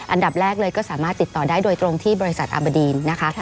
อันดับแรกเลยก็สามารถติดต่อได้โดยตรงที่บริษัทอาบดีนนะคะ